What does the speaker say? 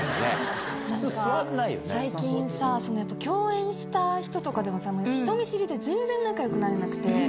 最近さ共演した人とかでもさ人見知りで全然仲良くなれなくて。